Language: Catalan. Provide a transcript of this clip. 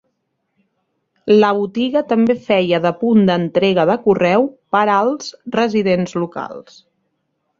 La botiga també feia de punt d'entrega de correu per als residents locals.